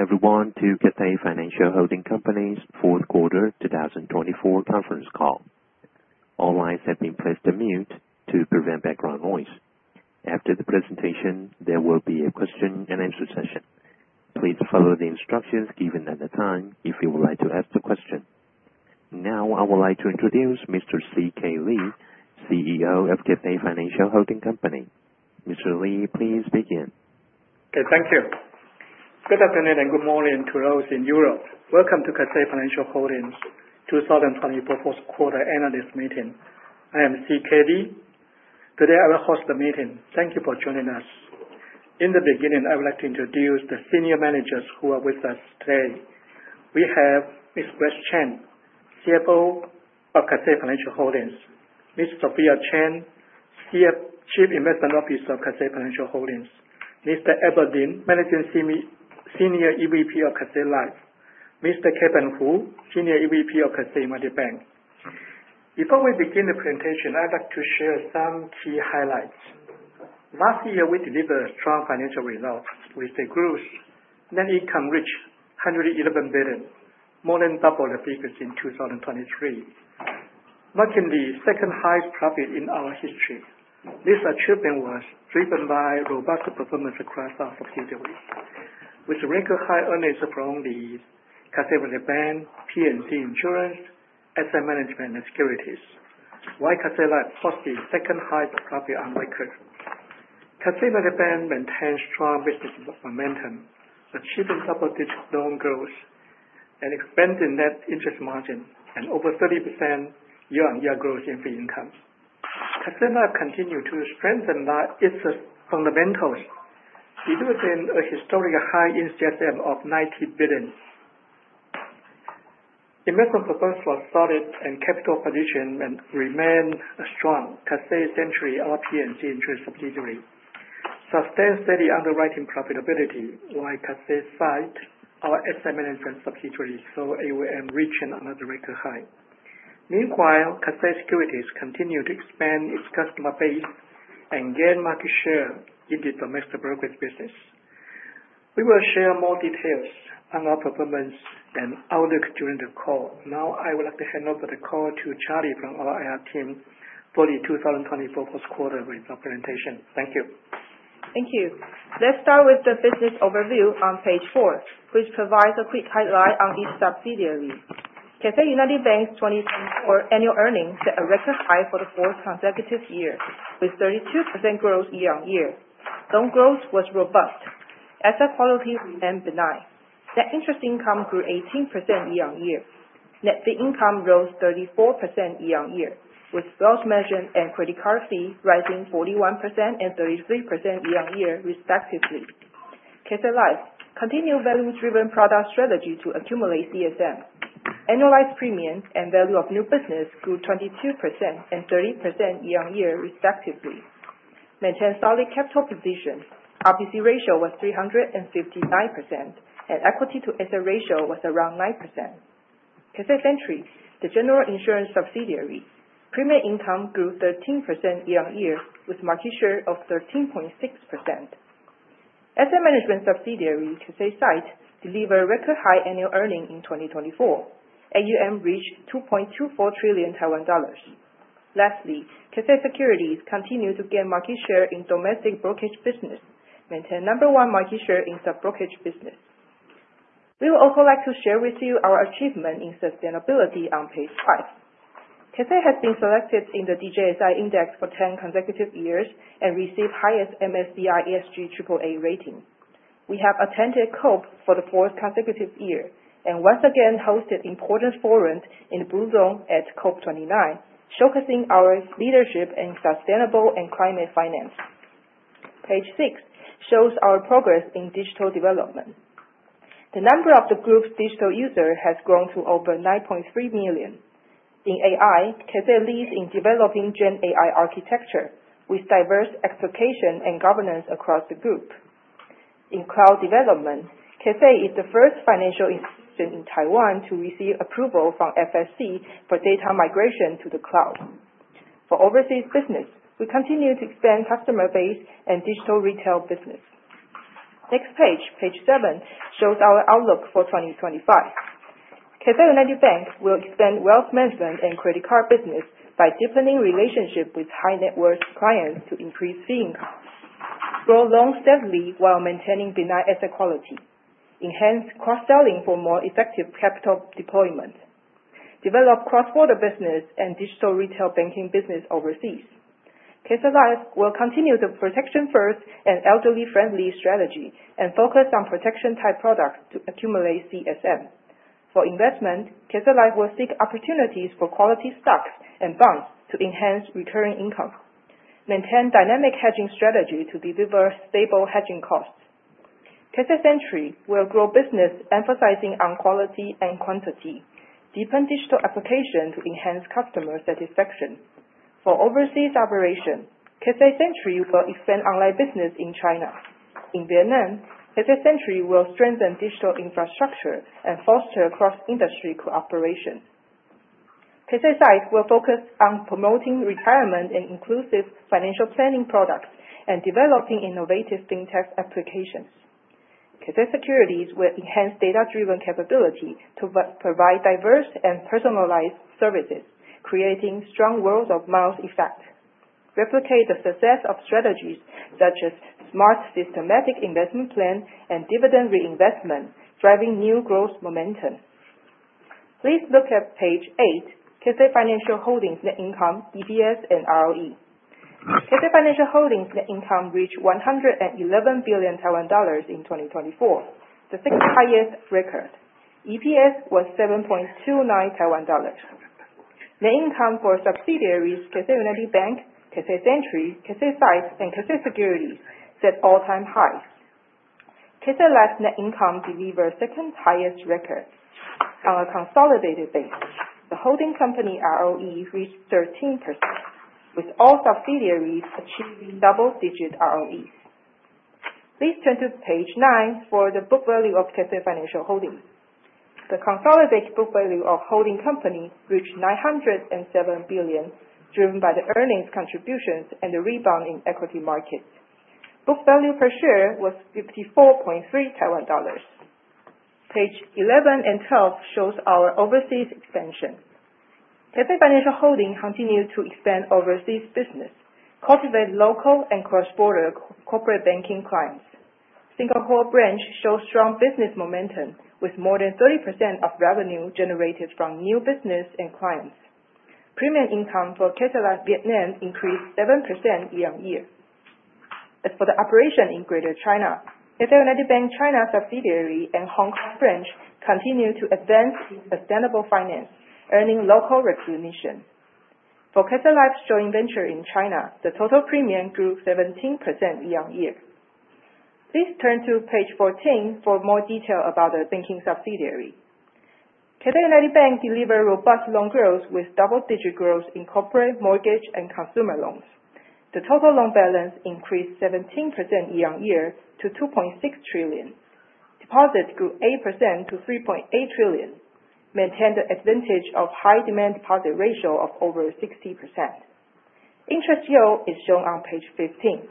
Welcome everyone to Cathay Financial Holdings Company's fourth quarter 2024 conference call. All lines have been placed on mute to prevent background noise. After the presentation, there will be a question-an-answer session. Please follow the instructions given at the time if you would like to ask the question. Now, I would like to introduce Mr. CK Lee, CEO of Cathay Financial Holdings Company. Mr. Lee, please begin. Okay, thank you. Good afternoon and good morning to those in Europe. Welcome to Cathay Financial Holdings 2024 fourth quarter analyst meeting. I am CK Lee. Today, I will host the meeting. Thank you for joining us. In the beginning, I would like to introduce the senior managers who are with us today. We have Ms. Grace Chen, CFO of Cathay Financial Holdings; Ms. Sophia Cheng, Chief Investment Officer of Cathay Financial Holdings; Mr. Abel Lin, Managing Senior EVP of Cathay Life Mr. Kevin Hu, Senior EVP of Cathay United Bank. Before we begin the presentation, I'd like to share some key highlights. Last year, we delivered strong financial results with the growth. Net income reached 111 billion, more than double the figures in 2023, marking the second highest profit in our history. This achievement was driven by robust performance across our subsidiaries, which record high earnings from the Cathay United Bank, P&C Insurance, Asset Management, and Securities, while Cathay Life posts the second highest profit on record. Cathay United Bank maintained strong business momentum, achieving double-digit loan growth and expanding net interest margin and over 30% year-on-year growth in fee income. Cathay Life continued to strengthen its fundamentals, delivering a historic high in CSM of 90 billion. Investment performance was solid, and capital position remain strong. Cathay Century, our P&C subsidiary, sustained steady underwriting profitability, while Cathay SITE, our asset management subsidiary, saw AUM reaching another record high. Meanwhile, Cathay Securities continued to expand its customer base and gain market share in the domestic brokerage business. We will share more details on our performance and outlook during the call. Now, I would like to hand over the call to Charlie from our IR team for the 2024 fourth quarter results presentation. Thank you. Thank you. Let's start with the business overview on page four, which provides a quick highlight on each subsidiary. Cathay United Bank's 2024 annual earnings set a record high for the fourth consecutive year, with 32% growth year-on-year. Loan growth was robust. Asset quality remained benign. Net interest income grew 18% year-on-year. Net fee income rose 34% year-on-year, with wealth management and credit card fee rising 41% and 33% year-on-year respectively. Cathay Life continued value-driven product strategy to accumulate CSM. Annualized premiums and value of new business grew 22% and 30% year-on-year respectively. Maintained solid capital position. RBC ratio was 359%, and equity to asset ratio was around 9%. Cathay Century, the general insurance subsidiary, premium income grew 13% year-on-year, with market share of 13.6%. Asset management subsidiary, Cathay SITE, delivered record high annual earnings in 2024. AUM reached 2.24 trillion Taiwan dollars. Lastly, Cathay Securities continued to gain market share in domestic brokerage business, maintained number one market share in sub-brokerage business. We would also like to share with you our achievement in sustainability on page five. Cathay has been selected in the DJSI Index for 10 consecutive years and received highest MSCI ESG AAA rating. We have attended COP for the fourth consecutive year, and once again hosted important forums in the Blue Zone at COP 29, showcasing our leadership in sustainable and climate finance. Page six shows our progress in digital development. The number of the group's digital users has grown to over 9.3 million. In AI, Cathay leads in developing GenAI architecture with diverse application and governance across the group. In cloud development, Cathay is the first financial institution in Taiwan to receive approval from FSC for data migration to the cloud. For overseas business, we continue to expand customer base and digital retail business. Next page seven, shows our outlook for 2025. Cathay United Bank will expand wealth management and credit card business by deepening relationship with high net worth clients to increase fee income, grow loans steadily while maintaining benign asset quality, enhance cross-selling for more effective capital deployment, develop cross-border business and digital retail banking business overseas. Cathay Life will continue the protection first and elderly-friendly strategy and focus on protection-type products to accumulate CSM. For investment, Cathay Life will seek opportunities for quality stocks and bonds to enhance return income, maintain dynamic hedging strategy to deliver stable hedging costs. Cathay Century will grow business emphasizing on quality and quantity, deepen digital application to enhance customer satisfaction. For overseas operation, Cathay Century will expand online business in China. In Vietnam, Cathay Century will strengthen digital infrastructure and foster cross-industry cooperation. Cathay SITE will focus on promoting retirement and inclusive financial planning products and developing innovative fintech applications. Cathay Securities will enhance data-driven capability to provide diverse and personalized services, creating strong word-of-mouth effect, replicate the success of strategies such as smart, Systematic Investment Plan and dividend reinvestment, driving new growth momentum. Please look at page eight, Cathay Financial Holdings net income, EPS and ROE. Cathay Financial Holdings net income reached 111 billion Taiwan dollars in 2024, the sixth highest record. EPS was 7.29 Taiwan dollars. Net income for subsidiaries, Cathay United Bank, Cathay Century, Cathay SITE, and Cathay Securities set all-time highs. Cathay Life net income delivered second highest record. On a consolidated basis, the holding company ROE reached 13%, with all subsidiaries achieving double-digit ROEs. Please turn to page nine for the book value of Cathay Financial Holdings. The consolidated book value of holding company reached 907 billion, driven by the earnings contributions and the rebound in equity markets. Book value per share was TWD 54.3. Page 11 and 12 shows our overseas expansion. Cathay Financial Holdings continued to expand overseas business, cultivate local and cross-border corporate banking clients. Singapore branch shows strong business momentum with more than 30% of revenue generated from new business and clients. Premium income for Cathay Life Vietnam increased 7% year-on-year. As for the operation in Greater China, Cathay United Bank (China) subsidiary and Hong Kong branch continue to advance sustainable finance, earning local recognition. For Cathay Life's joint venture in China, the total premium grew 17% year-on-year. Please turn to page 14 for more detail about our banking subsidiary. Cathay United Bank delivered robust loan growth with double-digit growth in corporate mortgage and consumer loans. The total loan balance increased 17% year-on-year to 2.6 trillion. Deposits grew 8% to 3.8 trillion, maintained the advantage of high-demand deposit ratio of over 60%. Interest yield is shown on page 15.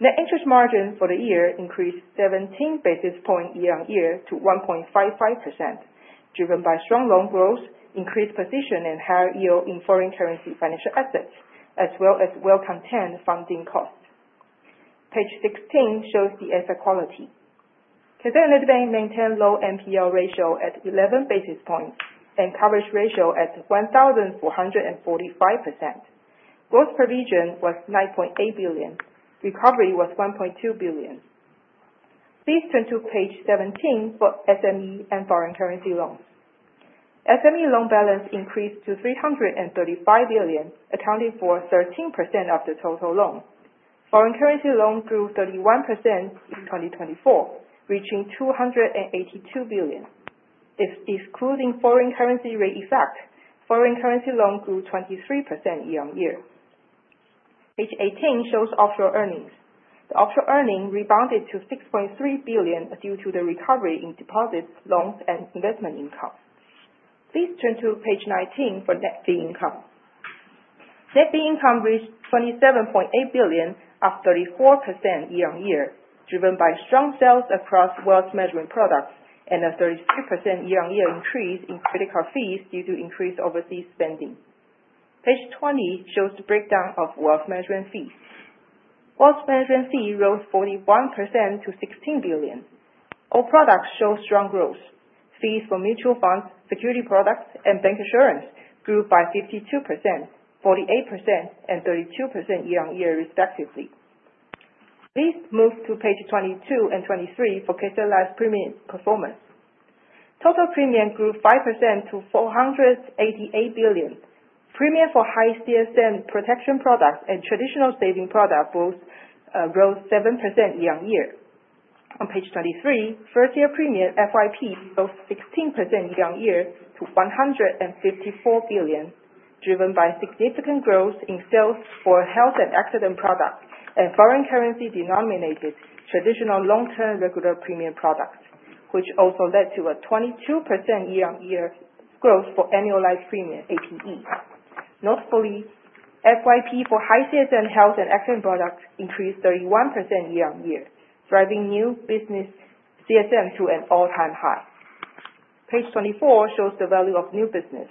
Net interest margin for the year increased 17 basis points year-on-year to 1.55%, driven by strong loan growth, increased position and higher yield in foreign currency financial assets, as well as well-contained funding costs. Page 16 shows the asset quality. Cathay United Bank maintained low NPL ratio at 11 basis points and coverage ratio at 1,445%. Gross provision was 9.8 billion. Recovery was 1.2 billion. Please turn to page 17 for SME and foreign currency loans. SME loan balance increased to 335 billion, accounting for 13% of the total loan. Foreign currency loan grew 31% in 2024, reaching 282 billion. Excluding foreign currency rate effect, foreign currency loan grew 23% year-on-year. Page 18 shows offshore earnings. The offshore earnings rebounded to 6.3 billion, due to the recovery in deposits, loans, and investment income. Please turn to page 19 for net fee income. Net fee income reached 27.8 billion, up 34% year-on-year, driven by strong sales across wealth management products and a 32% year-on-year increase in credit fees due to increased overseas spending. Page 20 shows the breakdown of wealth management fees. Wealth management fee rose 41% to 16 billion. All products show strong growth. Fees for mutual funds, securities products, and bancassurance grew by 52%, 48%, and 32% year-on-year respectively. Please move to page 22 and 23 for Cathay Life's premium performance. Total premium grew 5% to 488 billion. Premium for high CSM protection products and traditional savings product both rose 7% year-on-year. On page 23, first-year premium, FYP, rose 16% year-on-year to 154 billion, driven by significant growth in sales for health and accident products and foreign currency denominated traditional long-term regular premium products, which also led to a 22% year-on-year growth for annual life premium, APE. Notably, FYP for high CSM health and accident products increased 31% year-on-year, driving new business CSM to an all-time high. Page 24 shows the value of new business.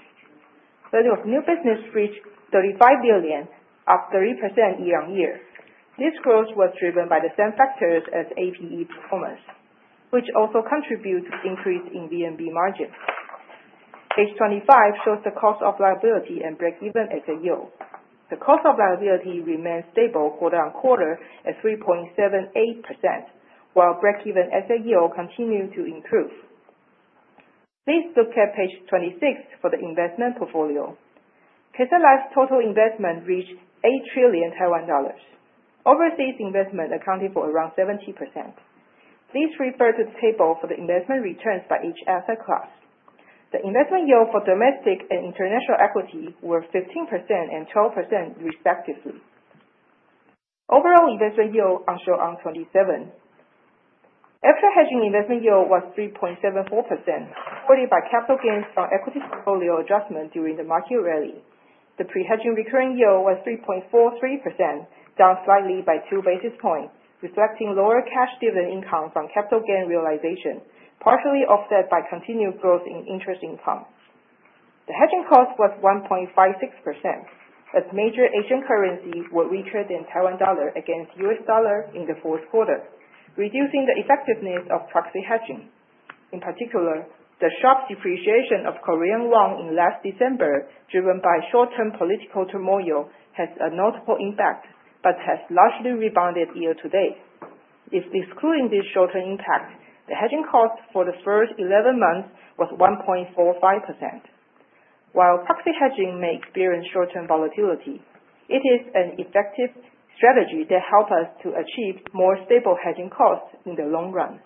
Value of new business reached 35 billion, up 3% year-on-year. This growth was driven by the same factors as APE performance, which also contributes increase in VNB margin. Page 25 shows the cost of liability and break-even asset yield. The cost of liability remains stable quarter-on-quarter at 3.78%, while break-even asset yield continue to improve. Please look at page 26 for the investment portfolio. Cathay Life's total investment reached 8 trillion Taiwan dollars. Overseas investment accounted for around 70%. Please refer to the table for the investment returns by each asset class. The investment yield for domestic and international equity were 15% and 12% respectively. Overall investment yield are shown on 27. After hedging investment yield was 3.74%, supported by capital gains from equity portfolio adjustment during the market rally. The pre-hedging recurring yield was 3.43%, down slightly by 2 basis points, reflecting lower cash dividend income from capital gain realization, partially offset by continued growth in interest income. The hedging cost was 1.56%, as major Asian currencies were weaker than Taiwan dollar against U.S. dollar in the fourth quarter, reducing the effectiveness of proxy hedging. In particular, the sharp depreciation of Korean won in last December, driven by short-term political turmoil, has a notable impact, but has largely rebounded year-to-date. If excluding this shorter impact, the hedging cost for the first 11 months was 1.45%. While proxy hedging may experience short-term volatility, it is an effective strategy that help us to achieve more stable hedging costs in the long run.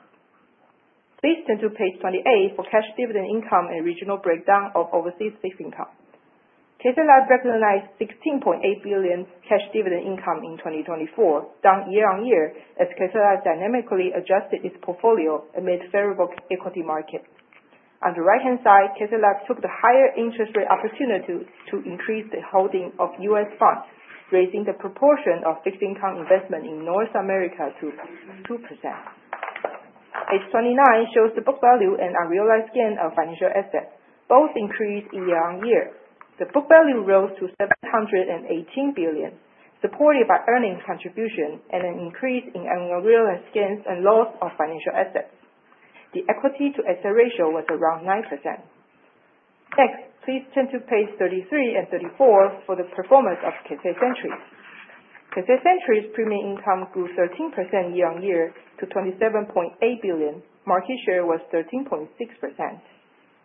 Please turn to page 28 for cash dividend income and regional breakdown of overseas fixed income. Cathay recognized 16.8 billion cash dividend income in 2024, down year-on-year, as Cathay dynamically adjusted its portfolio amid variable equity market. On the right-hand side, Cathay Life took the higher interest rate opportunity to increase the holding of U.S. funds, raising the proportion of fixed income investment in North America to 2%. Page 29 shows the book value and unrealized gains of financial assets both increased year-on-year. The book value rose to 718 billion, supported by earnings contribution and an increase in unrealized gains and losses of financial assets. The equity-to-asset ratio was around 9%. Next, please turn to page 33 and 34 for the performance of Cathay Century. Cathay Century's premium income grew 13% year-on-year to 27.8 billion. Market share was 13.6%.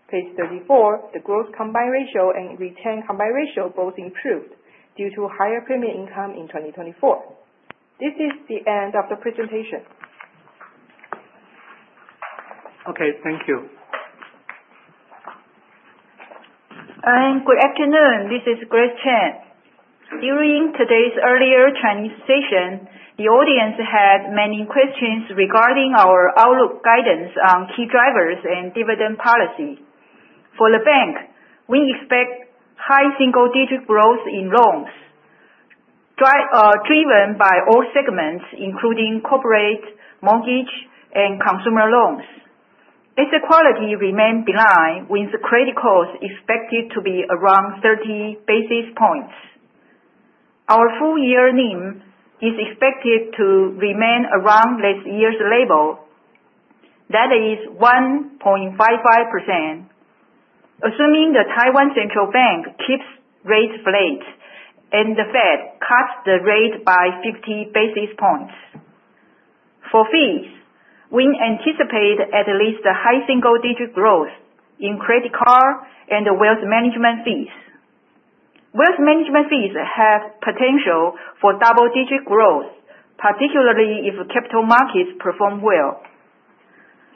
Page 34, the gross combined ratio and retained combined ratio both improved due to higher premium income in 2024. This is the end of the presentation. Okay, thank you. Good afternoon, this is Grace Chen. During today's earlier Chinese session, the audience had many questions regarding our outlook guidance on key drivers and dividend policy. For the bank, we expect high single-digit growth in loans driven by all segments, including corporate, mortgage, and consumer loans. Asset quality remain benign, with the credit cost expected to be around 30 basis points. Our full year NIM is expected to remain around last year's level, that is 1.55%. Assuming the Taiwan Central Bank keeps rates flat and the Fed cuts the rate by 50 basis points. For fees, we anticipate at least a high single-digit growth in credit card and wealth management fees. Wealth management fees have potential for double-digit growth, particularly if capital markets perform well.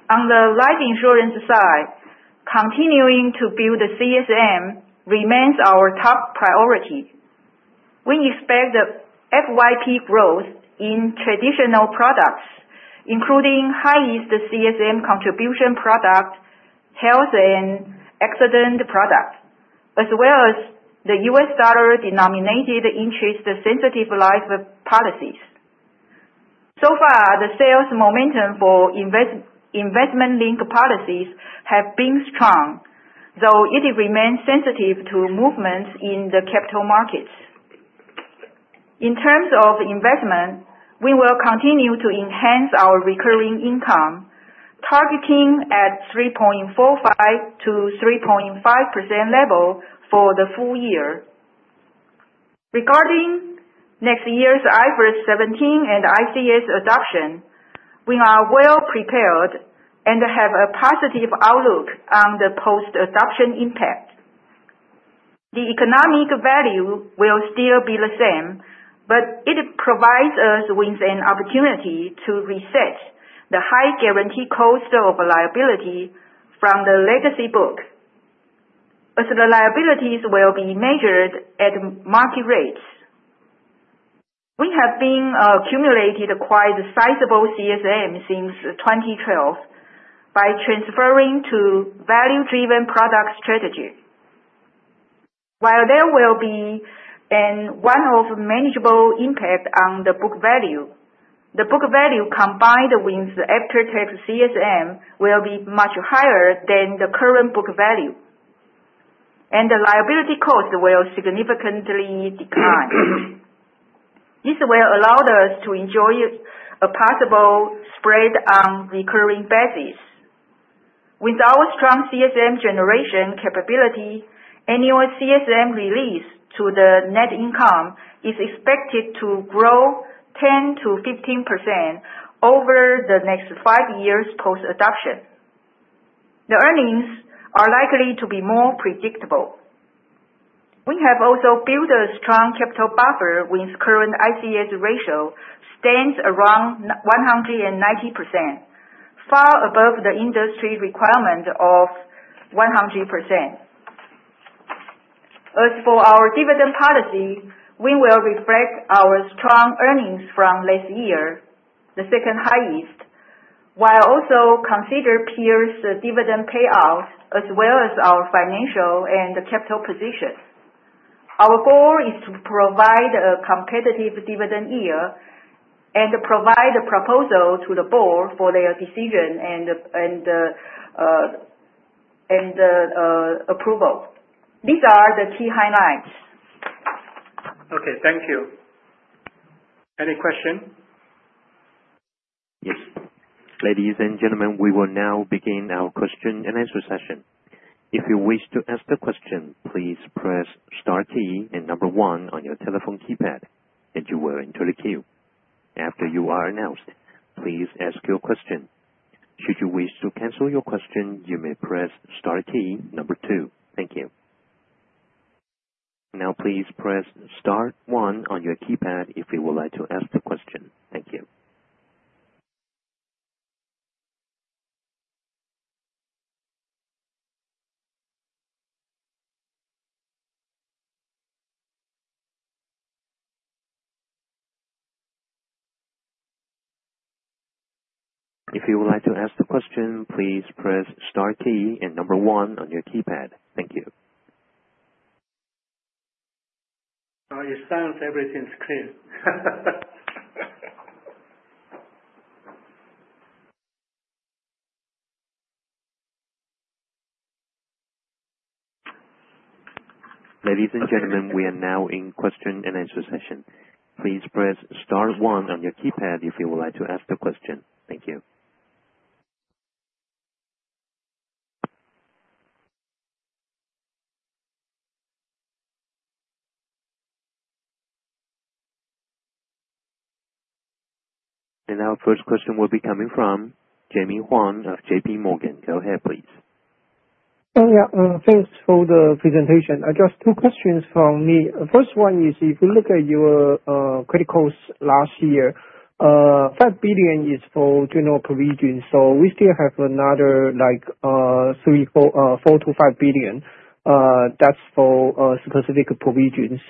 On the life insurance side, continuing to build the CSM remains our top priority. We expect the FYP growth in traditional products, including high-yield CSM contribution product, health and accident product, as well as the U.S. dollar-denominated interest sensitive life policies. So far, the sales momentum for investment-linked policies have been strong, though it remains sensitive to movements in the capital markets. In terms of investment, we will continue to enhance our recurring income, targeting at 3.45%-3.5% level for the full year. Regarding next year's IFRS 17 and ICS adoption, we are well prepared and have a positive outlook on the post-adoption impact. The economic value will still be the same, but it provides us with an opportunity to reset the high guarantee cost of liability from the legacy book, as the liabilities will be measured at mark-to-market rates. We have been accumulating quite a sizable CSM since 2012 by transferring to value-driven product strategy. While there will be a one-off manageable impact on the book value, the book value combined with the after-tax CSM will be much higher than the current book value. The liability cost will significantly decline. This will allow us to enjoy a possible spread on recurring basis. With our strong CSM generation capability, annual CSM release to the net income is expected to grow 10%-15% over the next five years post-adoption. The earnings are likely to be more predictable. We have also built a strong capital buffer with current ICS ratio stands around 190%, far above the industry requirement of 100%. As for our dividend policy, we will reflect our strong earnings from last year, the second highest, while also consider peers dividend payouts as well as our financial and capital positions. Our goal is to provide a competitive dividend yield and provide a proposal to the board for their decision and approval. These are the key highlights. Okay, thank you. Any question? Yes. Ladies and gentlemen, we will now begin our question-and-answer session. If you wish to ask the question, please press star key and number one on your telephone keypad, and you will enter the queue. After you are announced, please ask your question. Should you wish to cancel your question, you may press star key number two. Thank you. Now, please press star one on your keypad if you would like to ask the question. Thank you. If you would like to ask the question, please press star key and number one on your keypad. Thank you. Now it sounds like everything's clear. Ladies and gentlemen, we are now in question-and-answer session. Please press star one on your keypad if you would like to ask the question. Thank you. Our first question will be coming from Jaime Huang of JPMorgan. Go ahead, please. Oh, yeah. Thanks for the presentation. I have just two questions from me. First one is if you look at your credit costs last year, 5 billion is for general provisions. We still have another like 4 billion-5 billion, that's for specific provisions.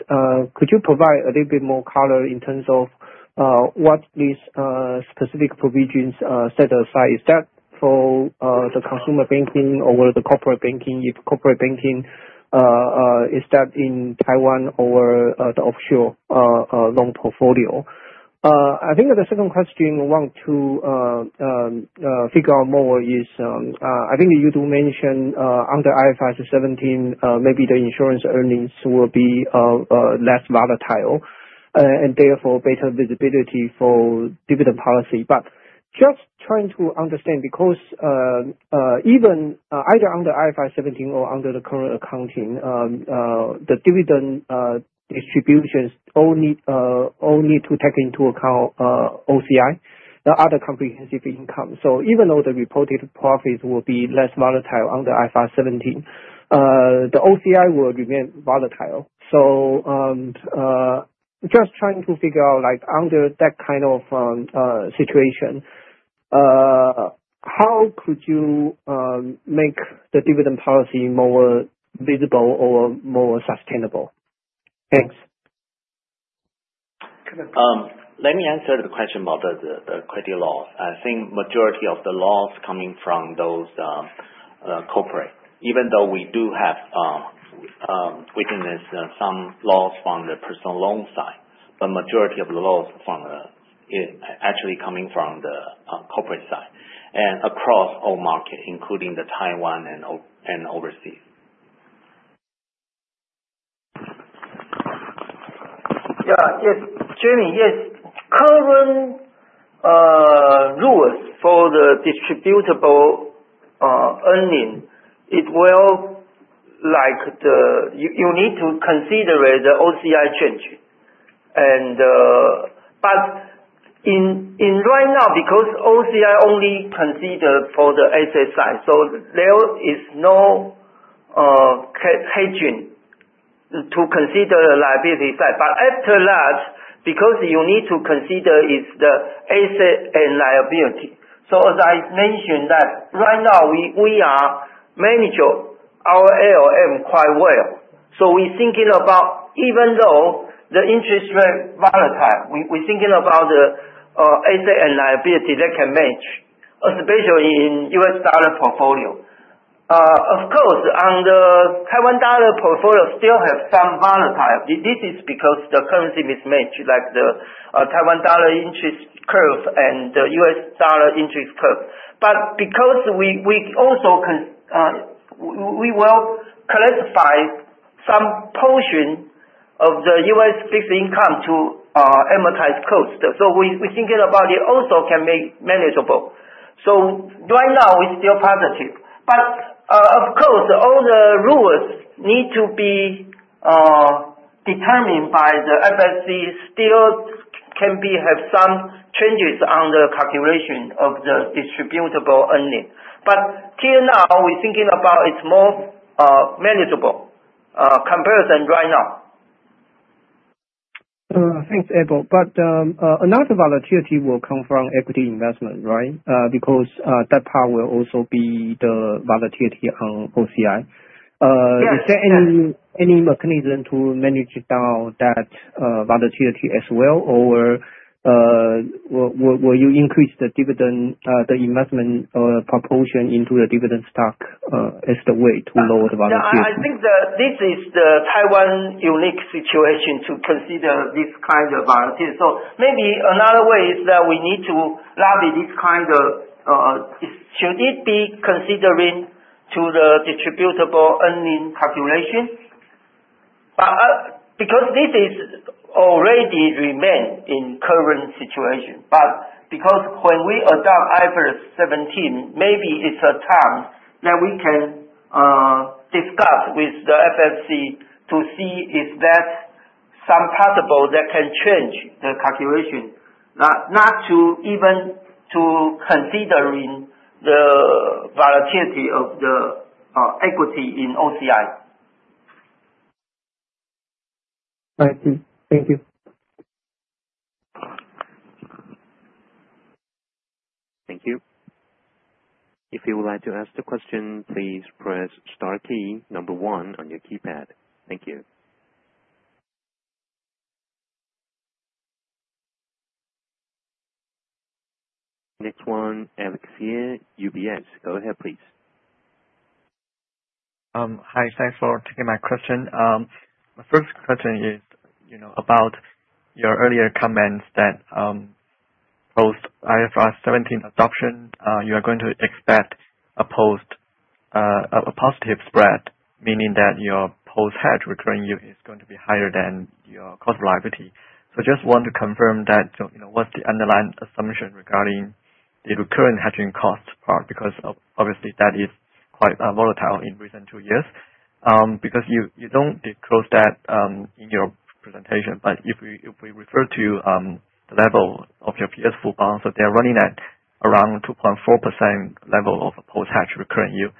Could you provide a little bit more color in terms of what these specific provisions set aside? Is that for the consumer banking or the corporate banking? If corporate banking, is that in Taiwan or the offshore loan portfolio? I think the second question I want to figure out more is, I think you do mention under IFRS 17, maybe the insurance earnings will be less volatile and therefore better visibility for dividend policy. Just trying to understand because even either under IFRS 17 or under the current accounting, the dividend distributions only to take into account OCI, the other comprehensive income. Even though the reported profits will be less volatile under IFRS 17, the OCI will remain volatile. Just trying to figure out, like under that kind of situation, how could you make the dividend policy more visible or more sustainable? Thanks. Let me answer the question about the credit losses. I think majority of the losses coming from those corporate. Even though we do have witnessed some losses from the personal loan side, but majority of the losses is actually coming from the corporate side and across all markets, including Taiwan and overseas. Yes, Jaime. Current rules for the distributable earning. You need to consider the OCI change. Right now, because OCI only consider for the asset side, there is no hedging to consider the liability side. After that, because you need to consider the asset and liability. As I mentioned, right now we manage our ALM quite well. We are thinking about even though the interest rate volatile, we are thinking about the asset and liability that can match, especially in US dollar portfolio. Of course, on the Taiwan dollar portfolio still have some volatile. This is because the currency mismatch, like the Taiwan dollar interest curves and the U.S. dollar interest curve. Because we also will classify some portion of the U.S. fixed income to amortized cost. We're thinking about it also can be manageable. Right now it's still positive. Of course, all the rules need to be determined by the FSC, still can have some changes on the calculation of the distributable earnings. Till now we're thinking about it more manageable comparison right now. Thanks, Abel. Another volatility will come from equity investment, right? Because that part will also be the volatility on OCI. Yes. Is there any mechanism to manage down that volatility as well? Or, will you increase the dividend, the investment proportion into the dividend stock as the way to lower the volatility? I think this is Taiwan's unique situation to consider this kind of volatility, so maybe another way is that we need to lobby this kind of, should it be considered in the distributable earnings calculation? Because this already remains in current situation, because when we adopt IFRS 17, maybe it's a time that we can discuss with the FSC to see if there is some possibility that can change the calculation. Not even to consider the volatility of the equity in OCI. I see. Thank you. Thank you. If you would like to ask the question, please press star key number one on your keypad. Thank you. Next one, Alex Ye, UBS. Go ahead, please. Hi. Thanks for taking my question. My first question is, you know, about your earlier comments that, post IFRS 17 adoption, you are going to expect a positive spread, meaning that your post-hedge recurring yield is going to be higher than your cost of liability. Just want to confirm that, you know, what's the underlying assumption regarding the recurring hedging cost part because obviously that is quite volatile in recent two years because you don't disclose that in your presentation. If we refer to the level of your pre-hedge full-year balance that they're running at around 2.4% level of post-hedge recurring yield.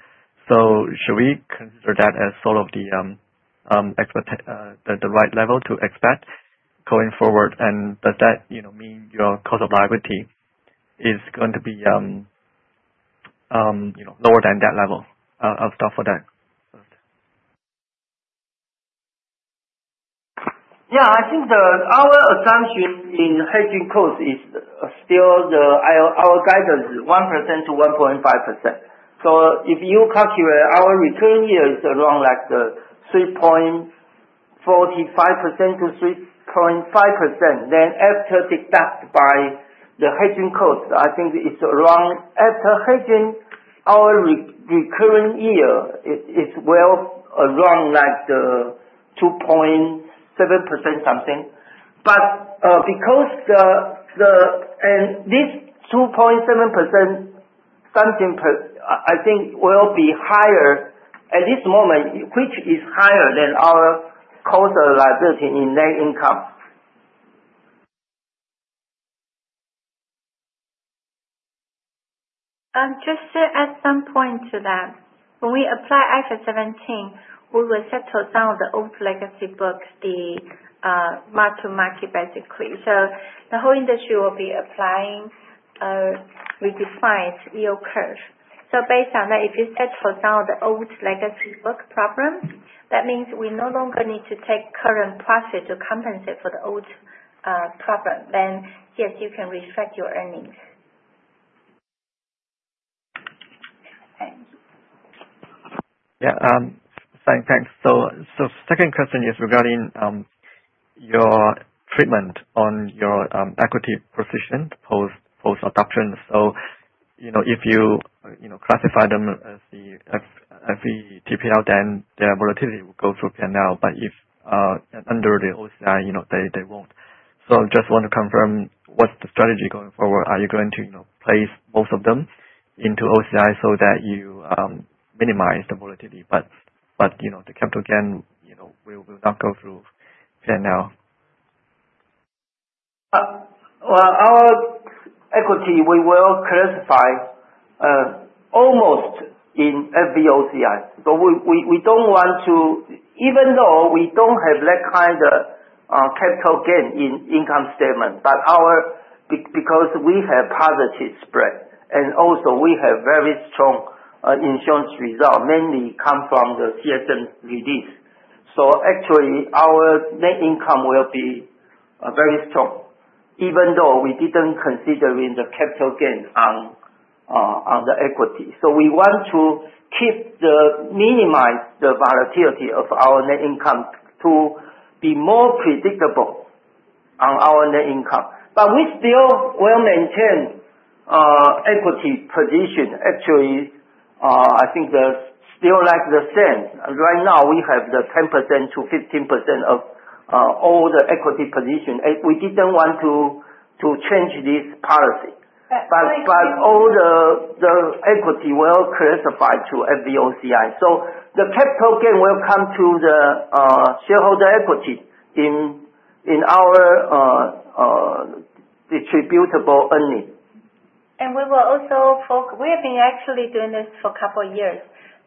Should we consider that as sort of the right level to expect going forward? Does that, you know, mean your cost of liability is going to be, you know, lower than that level after that? Yeah. I think our assumption in hedging cost is still our guidance is 1%-1.5%. So if you calculate our return here is around 3.45%-3.5%, then after deduct by the hedging cost, I think it's around, after hedging, our recurring year is well around 2.7% something. But because this 2.7% something per, I think will be higher at this moment, which is higher than our cost of liability in net income. Just to add some point to that. When we apply IFRS 17, we will settle down the old legacy books, the mark-to-market basically. The whole industry will be applying redefined yield curve. Based on that, if you hedge for now the old legacy book problem, that means we no longer need to take current profit to compensate for the old problem, then yes, you can reflect your earnings. Thank you. Yeah. Thanks. Second question is regarding your treatment on your equity position post-adoption. You know, if you classify them as the FVTPL then their volatility will go through P&L. But if under the OCI, you know, they won't. Just want to confirm what's the strategy going forward? Are you going to place both of them into OCI so that you minimize the volatility, but you know, the capital gain will not go through P&L? We will classify our equity almost in FVOCI. Even though we don't have that kind of capital gain in income statement, because we have positive spread and also we have very strong insurance result, mainly come from the CSM release. Actually our net income will be very strong even though we didn't consider the capital gains on the equity. We want to minimize the volatility of our net income to be more predictable on our net income. We still will maintain equity position. Actually, I think it's still like the same. Right now we have the 10%-15% of all the equity position. We didn't want to change this policy. But- All the equity well classified to FVOCI. The capital gain will come through the shareholder equity in our distributable earnings. We have been actually doing this for a couple of years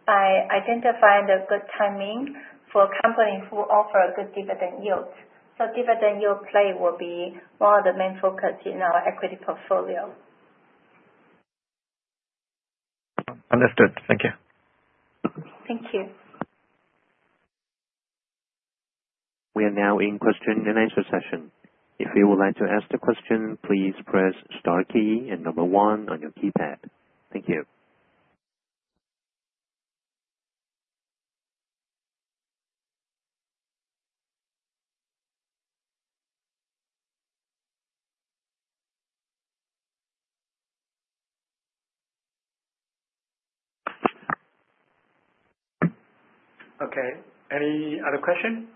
by identifying the good timing for companies who offer a good dividend yield. Dividend yield play will be one of the main focus in our equity portfolio. Understood. Thank you. Thank you. We are now in question and answer session. If you would like to ask the question, please press star key and number one on your keypad. Thank you. Okay. Any other question?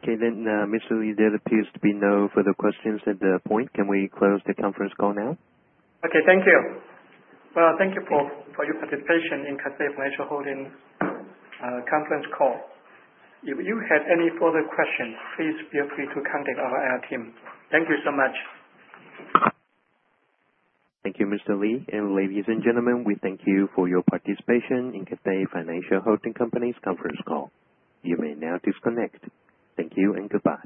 Okay, Mr. Lee, there appears to be no further questions at the point. Can we close the conference call now? Okay. Thank you. Well, thank you for your participation in Cathay Financial Holdings conference call. If you have any further questions, please feel free to contact our IR team. Thank you so much. Thank you, Mr. Lee. Ladies and gentlemen, we thank you for your participation in Cathay Financial Holdings Company's conference call. You may now disconnect. Thank you and goodbye.